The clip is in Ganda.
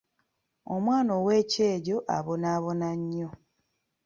Omwana ow'ekyejo abonaabona nnyo.